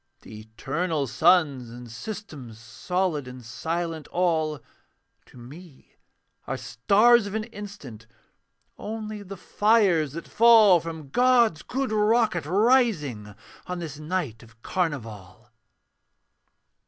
The eternal suns and systems, Solid and silent all, To me are stars of an instant, Only the fires that fall From God's good rocket, rising On this night of carnival.